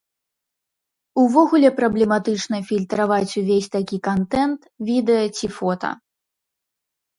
Увогуле праблематычна фільтраваць увесь такі кантэнт, відэа ці фота.